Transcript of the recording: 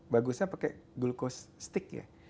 bagusnya pakai glukos stick ya